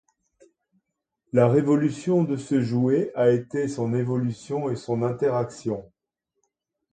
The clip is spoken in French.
La révolution de ce jouet a été son évolution et son interaction.